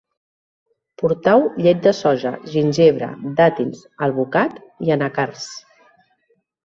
Portau llet de soia, gingebre, dàtils, alvocat i anacards